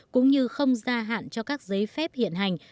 cũng như không gia hạn cho các giấy phép hiện hành